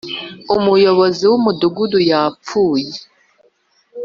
umuyobozi w'umudugudu yapfuye